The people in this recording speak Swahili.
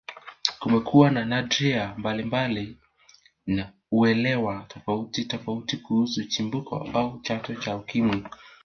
Kumekuwa na nadharia mbalimbali na uelewa tofauti tofauti kuhusu Chimbuko au chanzo cha Ukimwi